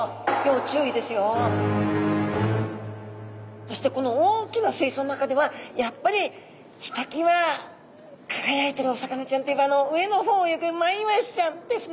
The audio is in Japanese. そしてこの大きな水槽の中ではやっぱりひときわ輝いてるお魚ちゃんといえばあの上の方を泳ぐマイワシちゃんですね。